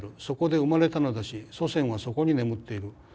そこで生まれたのだし祖先はそこに眠っている。